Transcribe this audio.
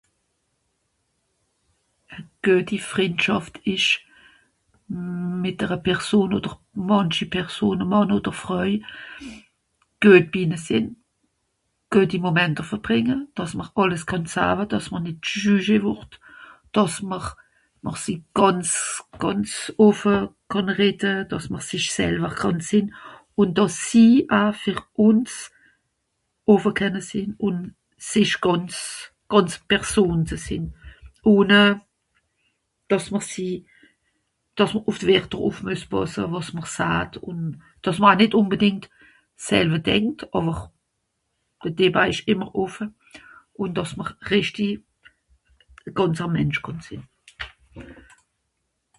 E güeti Frìndschàft ìsch mmhh... mìt ere Person odder mànchi Person, Mànn odder Froei, güet (...) sìnn, güeti Momenter verbrìnge, dàss mr àlles sawe kenne, dàss mr nìt jugée wùrd, dàss mr... mr si gànz... gànz offe kànn redde, dàss mr sich selwer kànn sìnn ùn dàss sie aa fer ùns offe kenne sìnn ùn sìch gànz... gànz Person ze sìnn, ohne, dàss mr si... dàss mr ùff d'Werter ùff mues pàsse wàs mr saat, ùn... dàss mr nìt ùnbedìngt s'selwe denkt àwer.. de Débat ìsch ìmmer offe. Ùn dàs mr rìchti... gànzer Mensch kànn sìnn.